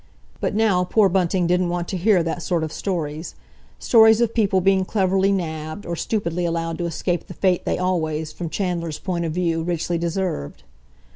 But now poor Bunting didn't want to hear that sort of stories—stories of people being cleverly "nabbed," or stupidly allowed to escape the fate they always, from Chandler's point of view, richly deserved.